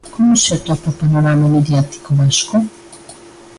Como se atopa o panorama mediático vasco?